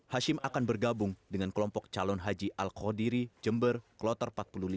hashim akan bergabung dengan kelompok calon haji al khodiri jember kloter empat puluh lima